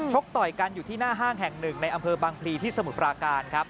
กต่อยกันอยู่ที่หน้าห้างแห่งหนึ่งในอำเภอบางพลีที่สมุทรปราการครับ